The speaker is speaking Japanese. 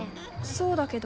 そうだけど。